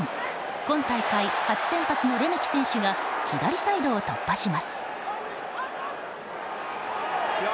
今大会初先発のレメキ選手が左サイドを突破します。